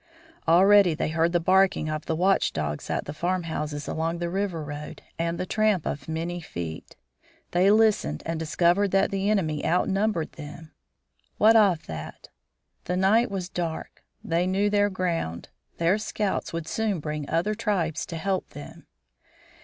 Already they heard the barking of watchdogs at the farmhouses along the river road, and the tramp of many feet. They listened and discovered that the enemy outnumbered them. What of that! The night was dark. They knew their ground. Their scouts would soon bring other tribes to help them.